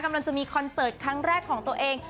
กำลังจะมีคอนเสิร์ตครั้งแรกของตัวเอง